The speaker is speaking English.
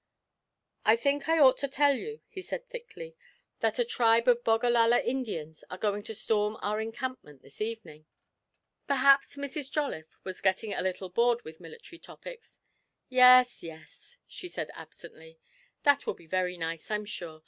'I think I ought to tell you,' he said thickly, 'that a tribe of Bogallala Indians are going to storm our encampment this evening.' Perhaps Mrs. Jolliffe was getting a little bored with military topics. 'Yes, yes,' she said absently, 'that will be very nice, I'm sure.